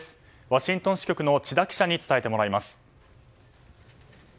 ワシントン支局の千田記者に伝えてもらいます。